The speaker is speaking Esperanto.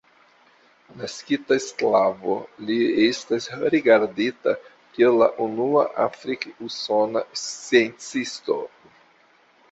Naskita sklavo, li estas rigardita kiel la unua afrik-usona sciencisto.